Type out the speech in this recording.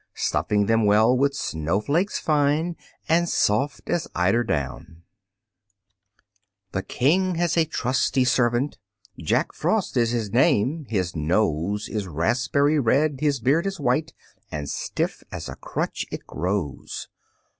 Stuffing them well with snowflakes fine, And soft as eiderdown. The King has a trusty servant, Jack Frost is his name; his nose Is raspberry red, his beard is white, And stiff as a crutch it grows.